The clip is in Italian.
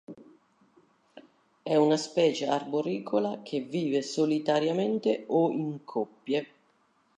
È una specie arboricola che vive solitariamente o in coppie.